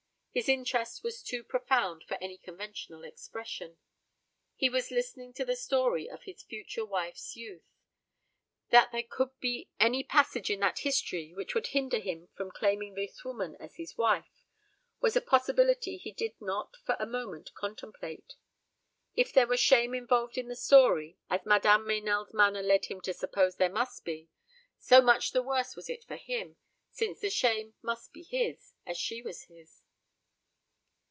His interest was too profound for any conventional expression. He was listening to the story of his future wife's youth. That there could be any passage in that history which would hinder him from claiming this woman as his wife was a possibility he did not for a moment contemplate. If there were shame involved in the story, as Madame Meynell's manner led him to suppose there must be, so much the worse was it for him, since the shame must be his, as she was his.